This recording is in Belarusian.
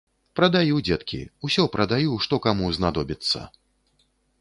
Прадаю, дзеткі, усё прадаю, што каму знадобіцца.